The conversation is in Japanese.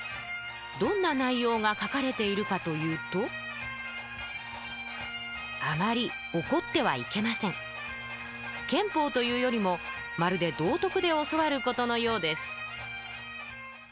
どんな内容が書かれているかというと憲法というよりもまるで道徳で教わることのようです